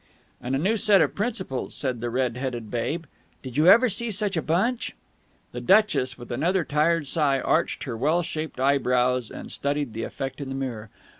"And a new set of principals," said the red headed Babe. "Did you ever see such a bunch?" The duchess, with another tired sigh, arched her well shaped eyebrows and studied the effect in the mirror.